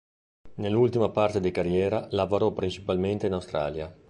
Nell'ultima parte di carriera, lavorò principalmente in Australia.